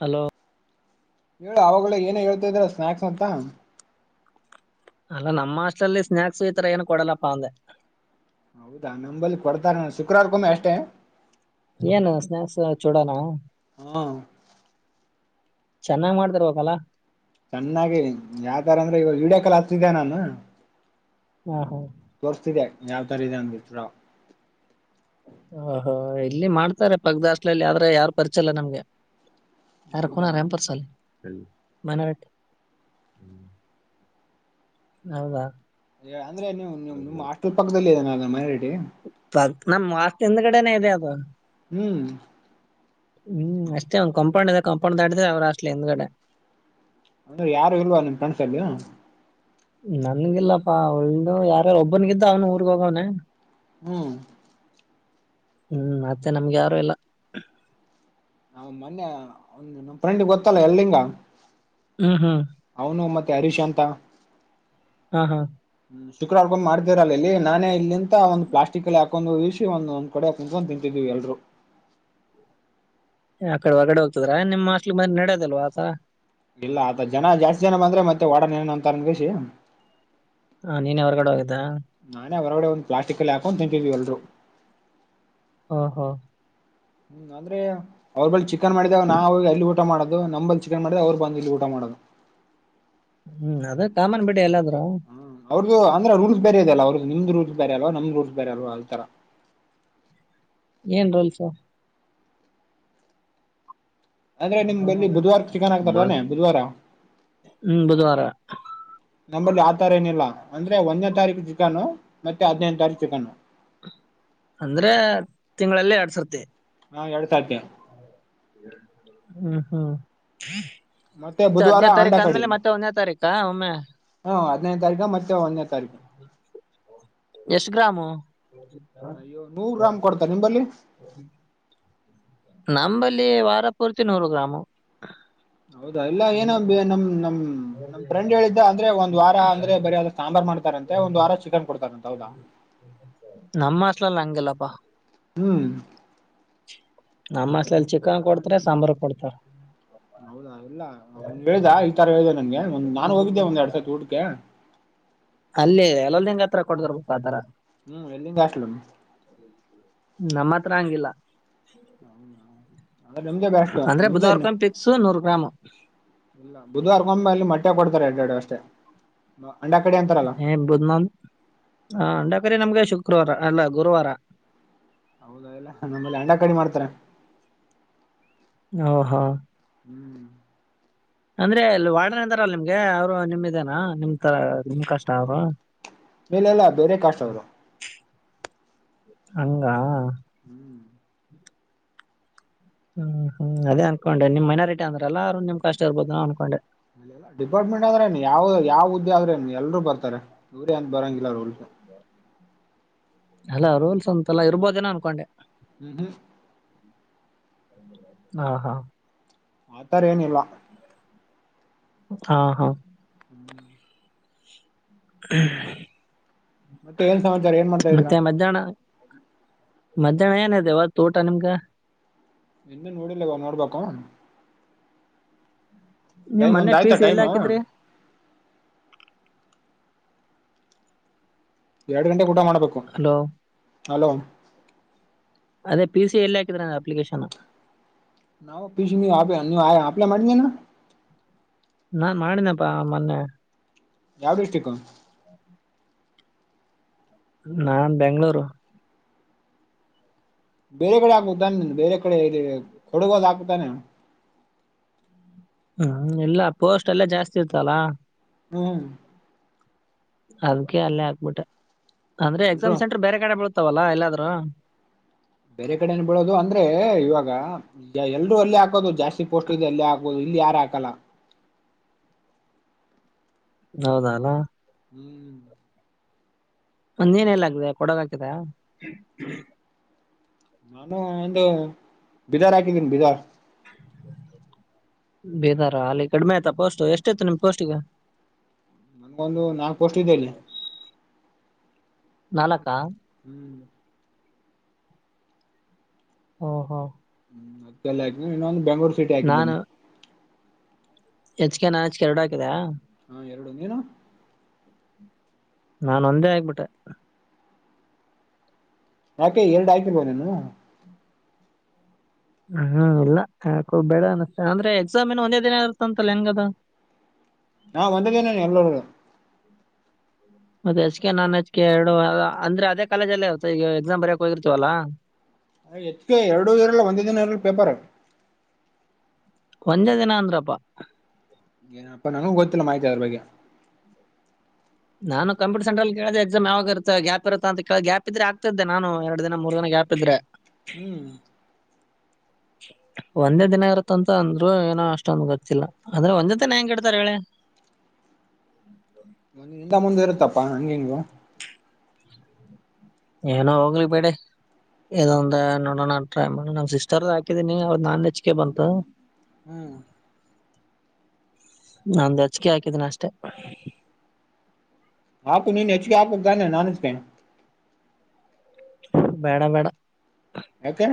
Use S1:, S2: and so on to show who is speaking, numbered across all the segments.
S1: Hello
S2: ಹೇಳು ಅವಾಗ್ ಏನ ಹೇಳ್ತಾ ಇದ್ರ ಸ್ನಾಕ್ಸ್ ಅಂತ
S1: ಅಲ್ಲ ನಮ್ಮ ಆಸ್ಟ್ಲಲ್ಲಿ ಸ್ನಾಕ್ಸ್ಈ ತರ ಏನು ಕೊಡಲ್ಲಪ್ಪಾ ಅಂದೆ
S2: ಹೌದಾ ನಂಬಲ್ಲಿ ಕೊಡ್ತಾರೆ ನಾನು ಶುಕ್ರವಾರ್ಗೊಮ್ಮೆ ಅಷ್ಟೇ
S1: ಏನು ಸ್ನ್ಯಕ್ಸ್ ಚೂಡೋಣ
S2: ಹ್ಮ
S1: ಚೆನ್ನಾಗ್ ಮಾಡ್ತಿರ್ಬೇಕಲ್ಲಾ
S2: ಚೆನ್ನಾಗಿ ಯಾವ ತಾರ ಅಂದ್ರೆ ಇವಾಗ ವಿಡಿಯೋ ಕಾಲ್ ಹಾಕ್ತಿದ್ದೆ ನಾನು
S1: ಹಾ ಹಾ
S2: ತೋರಿಸ್ತಿದೆ ಯಾವ್ ತರ ಇದೆ ಅಂದಿ
S1: ಓಹೋ ಇಲ್ಲಿ ಮಾಡ್ತಾರೆ ಪಕ್ದಸ್ಲಲ್ಲಿ ಆದ್ರೆ ಯಾರು ಪರಿಚಯಲ್ಲ ನಮ್ಗೆ ಯಾರಕನ
S2: ಹೌದಾ
S1: ರ ಎಾಮಪರ್ಸಲ್ಲಿ ಮನ ಹೌದಾ
S2: ಅಂದ್ರೆ ನೀವು್ ನಿಮ್ ಅಷ್ಟ್ರಲ್ ಪಕ್ಕದಲ್ಲಿ ಇದ ನ ಮನೆರಟಿ.
S1: ನಮ್ ಮಷ್ಟ ಹಿಂದ್ ಕಡೆನೆ ಇದೆ ಅದು
S2: ಹ್ಮ್
S1: ಹ್ಮ್ ಅಷ್ಟೇ ಒಂದ ಕಂಪೌಂಡ್ ಇದ ಕಂಪೌಂಡ್ಡ್ರ ಅವ್ರ ಅಷ್ಟಲಿ ಇಂದ್ಗಡೆ
S2: ಅಂದ್ರೆ ಯಾರು ಇಲ್ವಾ ನಿಮ್ ಫ್ರಂಡ್ಸ್ ಅಲ್ಲಿ
S1: ನನ್ಗಿಲ್ಲಪ್ಪಾ ಒಳ್ಳು ಯಾರ್ಯಾರು ಒಬ್ಬನಗಿದ್ದ ಅವ್ನು ಊರ್ಗ್ ಹೋಗವನ
S2: ಹ್ಮ್
S1: ಹ್ಮ್ ಮತ್ತೆ ನಮ್ಗೆ ಯಾರು ಎಲ್ಲ.
S2: ನಾ್ ಮೊನ್ನೆ ಒಂದ್ ನಮ್ ಫ್ರೆಂಡಿಗೆ ಗೊತ್ತಲ್ಲ ಎಲ್ಲಿಂಗ
S1: ಹ್ಮ್ ಹ್ಮ್
S2: ಹೌನು ಮತ್ತೆ ಹರಿಶಾ ಅಂತ
S1: ಹಾ ಹಾ
S2: ಹ್ಮ್ ಶುಕ್ರವಾರ್ಗೊಂಡ್ತೀರಲ್ಲ ಇಲ್ಲಿ ನಾನೇ ಇಲ್ಲಿಂದ ಒಂದ ಪ್ಲಸ್ಟಿಕ್ಲ್ ಒಂದು ವಿಷಿ ಒಂದೊಂದ್ ಕಡೆ ಕುಂತ್ಕೊಂಡ ತಿಂತಿದೀವಿ ಎಲ್ರು
S1: ಆ ಕಡೆ ಹೊರಗಡೆ ಹೋಗ್ತದ್ರ ನಿಮ್ಮ ಅಲಿ ಮೆ ನಡೋದಲ್ವಾ ಆತಾ
S2: ಇಲ್ಲ ಅ ಜನ ಜಾಸ್ತಿ ಜನ ಬಂದ್ರೆ ಮತ್ತೆ ಒಡನ್ ಏನ ಅಂತ ಅಂದಗಷಿ
S1: ಹಾ ನೀನ್ ಹೊರಗಡೆ ಹೋಗಿದ್ದ.
S2: ನಾನೇ ಹೊರಗಡೆ ಒಂದು ಪ್ಲಾಸ್ಟಿಕ್ಲ್ಲಿ ಹಾಕೊಂಡು ತಂತೀವಿ ಎಲ್ರು
S1: ಹ ಹ
S2: ಹ್ಮ್ ಅ್ರೆ ಅವ್ರ ಬಳಿ ಚಿಕನ್ ಮಾಡಿದಾಗ ನಾವಾಗ ಅಲ್ಲಿಟ್ಟ ಊಟ ಮಾಡೋದು ನಂಬಲ್ಲಿ ಚಿಕನ್ ಮಾಡ್ ಅವ್ ಬ ಇ ಊಟ ಮಾಡೋದು.
S1: ಹ್ಮ್ ಅದೇ ಕಾಮನ್ ಬಿಡಿ ಎಲ್ಲಾದ್ರುೂ
S2: ಅವ್ರ್ದ ಅಂದ್ರೆ ರಲ್ ಬೇರೆ ಅಲ್ಲ ಅವ್ರರು ನಿಮ್ದ್ ರಲ್ ಬೇರೆಲ್ವಾ ನಮ್ದ ರೂಲ್ಸ್ ಬೇ ಅಲ್ವಾ ಅ ಈತರ
S1: ಏನ್ ರೋಲ್ಸ
S2: ಅಂದ್ರೆ ನಿಮ್ಲ್ಲಿ ಬುಧವಾರ ಚಿಕನ್
S1: ಮಾಡ್
S2: ಆಗ್ತಾರವಲ್ಲೇ ಬುಧವಾರ
S1: ಹ್ಮ್ ಬುಧವಾರ
S2: ನಂಬಲ್ಲಿ ಆ ತರ ಏನಿಲ್ಲ ಅಂದ್ರೆ ಒಂದನೇ ತಾರೀಕು ಚಿಕನ್ನು ಮತ್ತೆ ಹದ್ೈದೇ ತಾರೀಕು ಚಿಕನ್ನು
S1: ಅಂದ್ರೆ ತಿಂಗಳಲ್ಲೇ ಆಡ್ಸರ್ತಿ
S2: ನಾ ಎರಡು ತಾರತ
S1: ಹ್ಮ ಹ್ಮ
S2: ಮತ್ತೆ
S1: ಮತ್ತ
S2: ಬುಧವಾರ
S1: ಹದ್ನೇ
S2: ಅಂಡ
S1: ತಾರೀಕ
S2: ಕಡಿ
S1: ಅಂದ್ಮೇಲೆ ಮತ್ತೆ ಒಂದ್ನೇ ತಾರೀಕಾ ಒಮ್ಮೆ
S2: ಹಾ ಹದಿನೈದು ತಾರೀು ಮತ್ತೆ ಒಂದನೇ ತಾರೀಕು.
S1: ಎಷ್ಟ ಗ್ರಾಮು
S2: ನಮ ಬಲ್ಲಿಿ
S1: ನಂಬಲ್ಲಿ ವಾರಪೂರ್ತಿ ನೂರು ಗ್ರಾಮ
S2: ಹೌದಾ ಇಲ್ಲ ಏನ ನಮ್ ನಮ್ ನಮ್ ಫ್ರೆಂಡ್ ಹೇಳಿದ್ದ ಅಂದ್ರೆ ಒಂದ್ ವಾರ ಅಂದ್ರೆ ಬರಿ ಸಾಂಬಾರ್ ಮಾಡ್ತಾರಂತೆ ಒಂದು ವಾರ ಚಿಕನ್ ಕೊಡ್ತಾರಂತೆ ಹೌದಾ
S1: ನಮ್ಮ ಹಾಸ್ಟೆಲಲ್ಲಿ ಹಂಗಿಲ್ಲಪ್ಪಾ
S2: ಹ್ಮ್ [unintelligible]
S1: ನಮ್ಮ್ಸಲ್ಲಿ ಚಿಕನ್ ಕೊಡ್ತಾರೆ ಸಾಂಬಾರ್ ಕೊಡ್ತಾರ
S2: ಹೌದಾ ಇಲ್ಲ ಹೇಳ್ದ ಈ ತರ ಹೇಳ್ದ ನಂಗೆ ಒಂದ್ ನಾನು ಹೋಗಿದ್ದೆ ಒಂದ್ ಎರಡ್ ಸತಿ ಊಟಕ
S1: ಅಲ್ಲೇ ಎಲ್ಲಲ್ ಹೆಂಗ ಹತ್ರ ಕೊಡದರ್ ಆ ತರ
S2: ಹ್ಮ್ ಎಲ್ಲಿಂಗಗೆ ಆಷ್ಟಲ
S1: ನಮ್ಮ ಹತ್ರ ಹಂಗಿಲ್ಲ
S2: ಅಂದ್ರೆ ನಿಮ್ದೇ ಬೆಸ್ಟ್
S1: ಅಂದ್ರೆ
S2: ನಿಮ್ದೇ ಇನ್ನು
S1: ಬುಧವಾರ್ಕ ಪಿಕ್ಸು ನೂರ್ ಗ್ರಾಮ್ [unintelligible]
S2: ಇಲ್ಲ ಬುಧವಾರಗೊಮ್ಮ ಅಲ್ಲಿ ಮಟ್ಟೆ ಕೊಡ್ತಾರೆ ಎರಡೆರಡು ಅಷ್ಟೇ ಅಂಡ ಕಡೆ ಅಂತಾರಲ್ಲ [unintelligible]
S1: ಬದ್ನಾನ್ ಹ ಅಂಡಕರಿ ನಮ್ಗೆ ಶುಕ್ರವಾರ ಅಲ್ಲ ಗುರುವಾರ [unintelligible]
S2: ಹೌದಲ್ಲ ನಮ್ಮ ಅಂಡಾ ಕಡಿ ಮಾಡ್ತಾರೆ [unintelligible]
S1: ಹ ಹಾ [unintelligible]
S2: ಹ್ಮ್ [unintelligible]
S1: ಅಂದ್ರೆ ಇಲ್ಲಿ ವಾಡನೆ ಅಂತಾರ ನಿಮ್ಗೆ ಅವ್ರು ನಿಮ ಇದೇನ ನಿಮ ತರ ನಿಮ್ ಕಷ್ಟ ಅವ್ರು [unintelligible]
S2: ಮೇಲೆಲ್ಲ ಬೇರೆ ಕಾಷ್ಟ ಅವ್ರು [unintelligible]
S1: ಹಂಗ [unintelligible]
S2: ಹ್ಮ್ [unintelligible]
S1: ಹ್ಮ್ ಹ್ಮ್ ಅದೇ ಅನ್ಕೊಂಡೆ ನಿಮ್ ಮನಾರಿಟ ಅ್ರ ಎಲ್ಲುಮ ಕಷ್ಟ ಇರ್ಬೋದು ನ ಅನ್ಕೊಂಡೆ [unintelligible]
S2: ಡಿಪಾರ್ಟ್ಮೆಂಟ್ ಅಂದ್ರೆನ್ ಯಾವ್ ಯಾವ ಹುದ್ದೆ ಆದ್ರೇನು ಎಲ್ರು ಬರರೆ ಇವ್ರೇ ಅಂತ ಬರೋಂಗಿಲ್ಲ ರೋಲ್ [unintelligible]
S1: ಅಲ್ಲಾ ರೂಲ್ಸ್ ಅಂತೆಲ್ಲಾ ಇರ್ಬೋದೇನ ಅನ್ಕೊಂಡೆ
S2: ಹ್ಮ ಹ್ಮ
S1: [inaudible] ಹಾ ಹಾ
S2: ಆತರ ಏನಿಲ್ಲ [unintelligible]
S1: ಹಾ ಹಾ [unintelligible]
S2: ಹ್ಮ್ [unintelligible]
S1: [unintelligible]
S2: ಮತ್ತೆ ಏನ್ ಸಮಾಚಾರ ಏನ್ ಮಾಡ್ತಾ ಇದೀರಾ
S1: ಮತ್ತೆ ಮಧ್ಯಾಹ್ನ ಮಧ್ಯಾಹ್ನ ಏನಿದೆವಾ ತೋಟ ನಿಮ್ಗ [unintelligible]
S2: ಎಿಂದ ನೋಡಿಲ್ಲವ ನೋಡ್ಬೇಕು [unintelligible]
S1: ನೀವ್
S2: ಟೈಮ್
S1: ಮನೆ
S2: ಒಂದ್ ಆಯ್ತಾ
S1: ಪೀಸ್ ಎಲ್ಲ
S2: ಟೈಮು
S1: ಹಾಕಿದ್ರಿ
S2: ಎರಡು ಗಂಟೆ ಊಟ ಮಾಡಬೇಕು
S1: ಹಲೋ
S2: ಹಲೋ
S1: ಅದೇ ಪಿ ಸಿ ಎಲ್ಲಿ ಹಾಕಿದ್ರ ಅ ಅಪ್ಲಿಕೇಶನ್
S2: ನಾವು ಪಿಚ ನೀ ಅ ನೀವು ಆಲ ಮಾಡಾ [unintelligible]
S1: ನಾನ್ ಮಾಡಿನಪ್ಪಾ ಮೊನ್ನೆ
S2: ಯಾವ ಡಿಸ್ಟ್ರಿಕ್
S1: [inaudible] ನಾನ್ ಬೆಂಗಗಳೂರು
S2: ಬೇರೆ ಕಡೆ ಹಗುದಾನೆ ಬೇರೆ ಕಡೆ ಕೊಡುಗೋದ ಹಾಕುತ್ತಾನೆ [unintelligible]
S1: ಹ್ಮ್ ಎಲ್ಲ ಪೋಸ್ಟ್ ಎಲ್ಲಾ ಜಾಸ್ತಿ ಇತ್ತಲ್ಲಾ
S2: ಹ
S1: [inaudible] ಅದಕ್ಕೆ ಅಲ್ಲೇ ಆಾಕ್ಬಿಟ್ಟೆ ಅಂದ್ರೆ
S2: ಎಲ್ರು
S1: ಎಕ್ಸಾಮ್ ಸೆಂಟ್ರ ಬೇರೆ ಕಡೆ ವಲ್ಲ ಎಲ್ಲಾದರು
S2: ಬೇರೆ ಕಡೆನು ಬಿಡೋದು ಅಂದ್ರೆ ಇವಾಗ ಎಲ್ಲರು ಅಲ್ಲಲ್ಲಿ ಹಾಕೋದು ಜಾಸ್ತಿ ಪೋಸ್ಟ್ ಇದೆ ಅಲ್ಲೇ ಹಾಕೋದು ಇಲ್ಲಿ ಯಾರು ಹಾಕಲ್ಲ
S1: ಹೌದಲ
S2: ಹ್ಮ್ [unintelligible]
S1: ಒಂದ್ ನೀನ್ ಎಲ್ಲ ಆಗ್ತ ಕೊಡಗ ಹಾಕಿದೆ [unintelligible]
S2: ನಾನು ಒಂದು ಬೀದಾರ್ ಹಾಕಿದ್ದೀನಿ ಬೀದಾರ್ [unintelligible]
S1: ಬೇದಾರ ಅಲ್ಲಿ ಕಡಿಮೆ ಆಯ್ತ ಪೋಸ್ಟ್ ಎಷ್ಟಾಯತು ನಿಮ ಪೋಸ್ಟಿಗೆ [unintelligible]
S2: ಒಂದು ನಾಲ್ಕ್ ಪೋಸ್ಟ್ ಇದೇಲ್ಲಿ [unintelligible]
S1: ನಾಲ್ಕಾ [unintelligible]
S2: ಹ್ಮ್ [unintelligible]
S1: ಹಓ ಹೋ [unintelligible]
S2: ಹ್ಮ್ ಮತ್ತಲ್ಲಾ ಇನ್ನೊಂದು ಬೆಂಗ್ [unintelligible] ಸಿಟಿಾಕಿದ್ದನಿ
S1: ಹೆಚ್ ಗೆ ನಾಚ್ ಕೆ ಎರಡು ಹಾಕಿದ [unintelligible]
S2: ಹಾ ಎರಡು ನೀನು [unintelligible]
S1: ನಾನ ಒಂದೇ ಆಗ್ಬಿಟ್ಟೆ
S2: ಯಾಕೆ ಎರಡು ಆಕಿರ್ಬೋ ನೀನು
S1: ಹ್ಮ್ ಇಲ್ಲ ಯಾಕ ಬೇಡ ಅನ್ನಷ್ಟ ಅಂದ್ರೆ ಎಕ್ಸಾಮ ಏನು ಒಂದೇ ದಿನ ಇರುತ್ತ ಅಂತಲ್ಲ ಹೆಂಗಗದು
S2: ನಾ ವಂದೇನು ಎಲ್ಲೋರುಗ
S1: ಮದ್ ಎಚ್ ಕೆ ನಾನ್ ಎಚ್ ಕೆ ಎರಡು ಅ್ರ ಅದ ಕಾಲಜಲ್ಲೇ ಇ ಈಗ ಎಕ್ಸಾಮ್ ಬರಕಕ್ ಹೋಗಿರ್ತವಲ್ಲ
S2: ಹೆಚ್ಗೆ ಎರಡು ಇರಲ್ಲ ಒಂದ ದಿನ ಇರಲ್ಲ ಪೇಪರ್
S1: ಒಂಜೆ ದಿನ ಅಂದ್ರಪ್ಪಾ
S2: ಏನಪ್ಪಾ ನನಗ ಗೊತ್ತಿಲ್ಲ ಮಾಹಿತಿ ಅ್ರ ಬಗ್ಗೆ
S1: ನಾನು ಕಂಪೂಟರ್ ಸೆಂ್ರಲ್ ಕೇಳ್ದ ಎಕ್ಸಾಮ ಯಾವಾಗ ಇರುತ್ತ ಗ್ಯಾಪ್ ಇರುತ್ತ ಅಂತ ಕ ಗ್ಯಾ ಇದ್ರೆ ಆಗ್ತೆ ನಾನು ಎರಡು ದಿನ ಮೂರು ದಿನ ಗ್ಯಾಪ್ ಪ್ಪದ್ರೆ
S2: ಹ್ಮ್
S1: ಒಂದೇ ದಿನ ಇರುತ್ತಂತ ಅಂದ್ರು ಏನೋ ಅಷ್ಟೊಂದ ಗೊತ್ತಿಲ್ಲ ಅಂದ್ರೆ ಒಂದ ದಿನ ಹೆಂಗ ಇಡ್ತಾರೆ ಹೇಳೆ ಹ [unintelligible]
S2: ಒಂದ ಇಂತ ಮುಂದೆ ಇರುತ್ತಪ್ಪಾ ಹಂಗಗೆಂಗು [unintelligible]
S1: ಏನೋ ಹೋಗ್ಲಿ ಬೇಡ [unintelligible] ಇದಂದ ನೋಡಣ ನಾನ್ ಟ್ರೈ ಮಾಡಿ ನನ್ ಸಿಸ್ಟರ್ದಾಕಿದಿನಿ ಅವ ನಾನ್ ಹೆಜಕ ಬಂತು
S2: ಹ್ಮ್
S1: ನಂದು ಅಚ್ಿಕೆ ಹಾಕಿದೀನಿ ಅಷ್ಟೇ
S2: ಹಾು ನೀನ್ ಹೆಚ್ಿಗೆ ಹಾಕ್ಾನ ನಾ ಹೆಜಕಿ
S1: ಬೇಡ ಬೇಡ
S2: ಯಕ್ಕ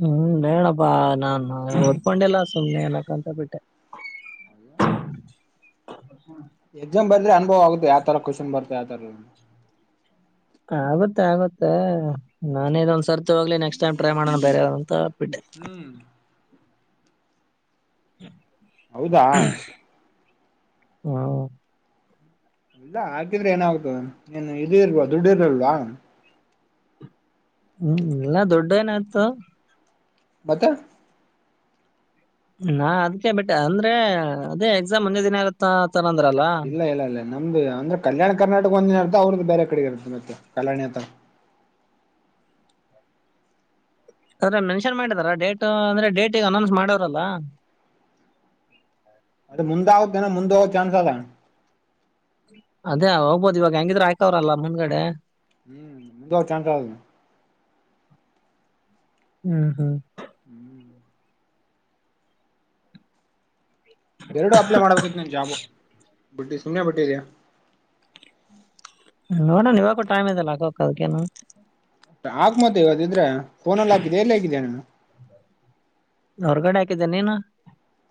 S1: ಹ್ಮ್ ಬೇಣಪ್ಪಾ ನಾನ್ ಹೊದಕೊಂಡಿಲ್ಲ ಸುಮ್ನೆ ಏನಕಂತ ಬಿಟ್ಟೆ
S2: ಹೌ ಎಕ್ಸಾಮ್ ಬ್ರ ಅನುಭವ ಆಗುತ್ತ ಯಾವ ತರ ಕ್ವಶಷನ್ ಬರ್ತ ಯ ತರ
S1: ಆಗತ್ತೆ ಆಗತ್ತೆ ನಾನೇ ಇದಂದ್ ಸರ್ತಿ ಹೋಗ್ಲಿ ನೆಕ್ಸ್ಟ್ ಟೈ್ ಟ್ರೈ ಮಾಡೋಣ ಬರೆ ಅಂತ ಬಿಟ್ಟೆ
S2: ಹ್ಮ್ ಹೌದಾ
S1: ಹ
S2: ಇಲ್ಲ ಹಾಕಿದ್ರೆ ಏನಾಗತದ ಏನು ಇದು ಇಲ್ವಾ ದುಡ್ಡಿ ಇರಲ್ವಾ
S1: ಹ್ಮ್ ಇಲ್ಲ ದೊಡ್ಡ ಏನಾಯಯ್ತು
S2: ಬತ
S1: ನಾ ಅದಕ ಬಿಟ್ಟ ಅಂದ್ರೆ ಅದೇ ಎಕ್ಸಾಮ್ ಮುಂದೆ ದಿನ ಆಗತ್ತ ಅಂದ್ರಲ್ಲ
S2: ಇಲ್ಲ ಇಲ್ಲ ಇಲ್ಲ ನಮ್ದು ಅಂದ್ರೆ ಕಲ್ಯಾಣ ಕರ್ನಾಟಕ ಒಂದಿನ ಇರುತ್ತೆ ಅವ್ರದ್ದ ಬೇ ಕಡೆಗೆ ಇರುತ್ತೆ ಮತ್ತೆ ಕಲ್ಯಾಣಿಥರ
S1: ಅದ್ರೆ ಮೆನ್ಷನ್ ಮಾಡಿದಾರಾ ಡೇಟ್ ಅಂದ್ರೆ ಡೇಟಿಗೆ ಅನೌನ್ಸ್ ಮಾಡೋ್ರಲ್ಲಾ
S2: ಅದೇ ಮುಂದಾಗೋದೇನ ಮುಂದ ಹೋಗೋ ಚಾನ್ಸ್ ಅದ
S1: ಅದೇ ಹೋಗ್ಬಹದು ಇವಾಗ ಹೆಂಗಿದ್ರೆ ಆಯಕವ್ರಲ್ಲ ಮನ್್ಗಡೆ
S2: ಹ್ಮ್ ಮು ಚಟ
S1: ಹ್ಮ್ ಹ್ಮ್
S2: ಹ್ಮ್ ಎರಡು ಅಪ್ಲೈ ಮಾಡ್ಬೇಕಿತ್ತು ನನ್ ಜಾಬು ಬಿಟ್ಟಿ ಸುಮ್ಮನೆ ಬಿಟ್ಟಿದ
S1: ನೋಡಣ ಇವಾಗ ಟೈ್ ಇಲ್ಲಾಕಕ್ ಅದಕ್ಕೇನು
S2: ಆಾಕ್ ಮತ್ತೆ ಇವದಿದ್ರೆ ಫನಲ್ಲಿ ಹಾಕಿದೆ ಎಲ್ಲಿ ಹೇಗಿದ್ದ ನಾನು
S1: ಹೊರಗಡೆ ಹಾಕಿದ್ದೇನೆ ನೀನು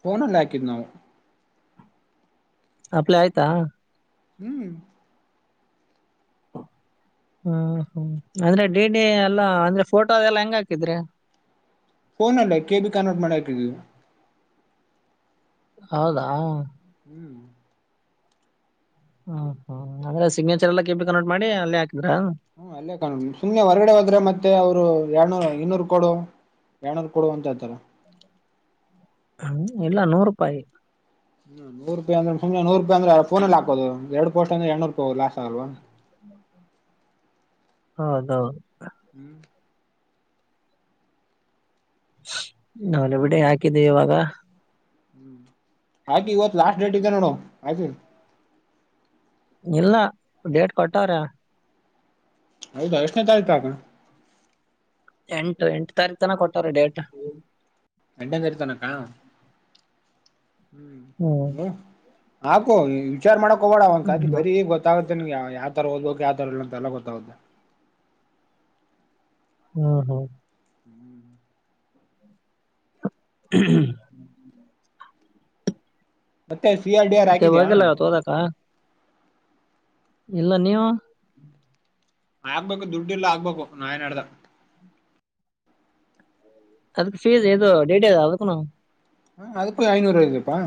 S2: ಫೋಲ್ಲಿ ಹಾಕಿದ್ ನಾವು
S1: ಆಲ ಆಯ್ತಾ
S2: ಹ್ಮ್
S1: ಹ್ಮ ಹ್ಮ ಅಂದ್ರೆ ಡಿ ಡಿ ಎಲ್ಲಾ ಅಂದ್ರೆ ಫೋಟೋದೆಲ್ಲಾ ಹೆಂಗ ಹಾಕಿದ್ರಿ
S2: ಫೋನ್ ಅಲ್ಲ ಕೆ ಬಿ ಕನ್ವರ್ಟ್ ಮಾಡ ಹಾಕಿದವಿ
S1: ಹೌದಾ ಹ
S2: ಹ್ಮ್
S1: ಹ್ಮ ಹ್ಮ್ ಅ್ರೆ ಸಿಗ್ನೇಚ ಎಲ್ಲ ಕೆಿಬಿ ಕನ್ೋರ್ಟ್ ಮಾಡಿ ಅಲ್ಲಿ ಹಾಕಿದ್ರ
S2: ಹ್ಮ್ ಅಲ್ಲೇ ಕಾಣ ಸುಮ್ನೆ ಹೊರಗಡೆ ಹೋದ್ರೆ ಮತ್ತೆ ಅವ್ರು ಎರ್ಡುನೂರ್ ಇನ್ನೂರು ಕೊಡು ಬ್ಣವರು ಕೊಡುವಂತ ಆಥರ
S1: ಹ ಹ್ಮ ಇಲ್ಲ ನೂರು ರೂಪಾಯಿ
S2: ಹಾೂಪಾಯಿ ಅ್ರೆ ಸುನೆ ನೂಪಿ ಅ್ರ ೋಲ್ಲಿ ಹಾಕೋ ಎಡ್ ಪೋಸ್ ಅಂದ್ರ ಎಡ್ೂಪಾಯ ಲಾಸ್ ಅಲ್ವಾ
S1: ಹ್ಮ ಹೌದೌದು
S2: ಹ್ಮ್
S1: ನೆ ಬಿಡಿ ಹಾಕಿದೆ ಇವಾಗ
S2: ಹ್ಮ್ ಆಯ್ತು ಇವತ್ ಲಾಸ್ಟ್ ಡೇಟ್ ಇದೆ ನೋಡು ಆಯ್ತು
S1: ಇಲ್ನಾ ಡೇಟ್ ಕೊಟ್ಟವ್ರ
S2: ಹೌದಾ ಎಷ್ಟನೇ ತಾರೀ ತು ಆ
S1: ಎಂಟು ಎಂಟು ತಾರೀಕ ತನ ಕೊಟ್ಟವ್ರೀ ಡೇಟ್
S2: ರಂಡಂದರಿತಾನಕ್ಕ ಹ್ಮ್ ಹ ಹಕು ವಿಚಾರ ಮಾಡಕಕ್ ಹೋಗಬೋಡ ಒ ಅಂತ
S1: ಹ್ಮ್
S2: ಅದ ಬರ ಗೊತ್ತ ಗತ್ತಾಗುತ್ತೆ ನಿಮ ಯಾವ ತರಓದ್ಕೆ ಯ್ರಲ್ಲ ಅ ಎಲ್ಲ ಗೊತ್ತಾಗುತ್ತೆ
S1: ಹ್ಮ್ ಹ್ಮ
S2: ಹ್ಮ್
S1: ಹ್ಮ್ಮ
S2: ಮತ್ತೆ ಸಿ ಆರ್ ಡಿ ಆರ್ ಹಾಕಿದ್ಯಾಾ
S1: ಹೋದಕ್ಕ ಇಲ್ಲ ನೀವು
S2: ಆಗ್ಬೇಕು ದುಡ್ಡಿ ಇಲ್ಲಾ ಆಗ್ಬೇಕು ನಾಯ್ ನಡ್ದ
S1: ಅದಕ್ಕೆ ಫೀಸ್ ದೋ ಡಡಿ ಅದಕಣ
S2: ಹ ಅದಕ್ಕು ಐನೂರ ್ಪ್ಪಾ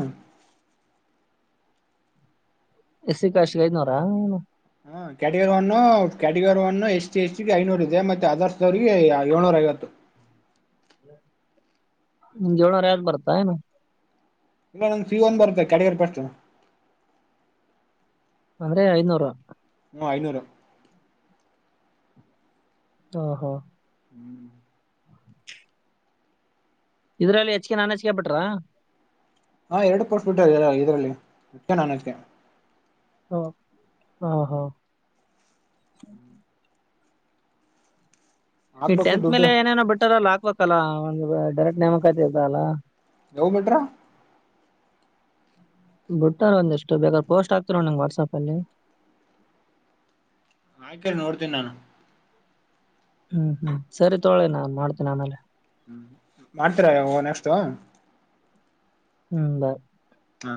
S1: ಎಸ್ಸ ಕಾಶ್ಗ ಐದನೂರಾ ಏ
S2: ಹ category one category one H ಿ ಎಚ್ಿಗೆ ಐನೂರ ಇದೆ ಮತ್ತೆ ಅದರ್ಸ್ವ್ರರಿಗೆಿಗೆ ಏಳ್ನೂರ ಐವತ್ತು
S1: ್ ಜೋಳೋಾರ ಯ್ ಬರ್ತಾಏ
S2: ಇಲ್ಲ ನಂ್ಫ ಒಂದ ಬರುತ್ತೆ ಕಡೆಗಡೆ ಪ್ರಶ
S1: ಅಂದ್ರೆ ಐನೂರು
S2: ಹ್ಮ್ ಐನೂರು
S1: ಹ ಹಾ
S2: ಹ್ಮ್
S1: ಇದ್ರಲ್ಲಿ ಹೆಚ್ಿಕ ನಾನನ್ ಹೆಚ್ಕ ಬಿಟ್ರಾ
S2: ಹಾ ಎರಡು ಕೊೋಸ್ಬಿಟ್ಟ ಇದರಲ್ಲಿ ಅ ನಾನು ಅದಕ್ಕೆನೆ
S1: ಹ ಹ ಹ ಹ ಈ
S2: ಹಾಕ್ಬೇಕು
S1: ಟೆಂತ್
S2: ದುಡ್ಡು
S1: ಮೇಲೆ ಏನೇನೋ ಬಿಟ್ಟಾರ ಅಲ್ಲ ಹಾಕ್ಬೇಕಲ್ಲ ಒಂದು್ ಡರೆಕ್ಟ್ ನೇಮಕಾತಿ ಇದ್ದಲ್ಲಾ
S2: ಲವ್ ಮ್ಯಾಟ್ರ.
S1: ಬುಟ್ಟಾರ ಒಂದಷ್ಟು ಬೇಕಾದ ಪೋಸ್ಟ್ ಆಗ್ತಿರೋ ನೋಡ್ ವಾಟ್ಸ್ ಆಪ್ ಅಲ್ಲಿ.
S2: ಹಾಕಿರ್ ನೋಡ್ತೀನಿ ನಾನು.
S1: ಹ್ಮ್ ಹ್ಮ್ ಸರಿ ತೊಗೊಳಿ ನಾನ್ ಮಾಡ್ತೇನ ಆಮೇಲೆ.
S2: ಹ್ಮ್ ಮಾಡ್ತರಾ ಯಾವ ನೆಕ್ಟು.
S1: ಹ್ಮ್ ಬಾಯ್.
S2: ಹಾ.